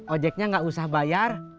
ojeknya gak usah bayar